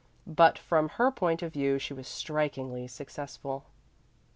But from her point of view she was strikingly successful.